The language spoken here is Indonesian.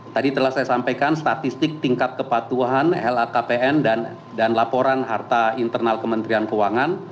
tadi telah saya sampaikan statistik tingkat kepatuhan lhkpn dan laporan harta internal kementerian keuangan